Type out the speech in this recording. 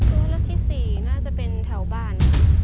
ตัวเลือกที่สี่น่าจะเป็นแถวบ้าน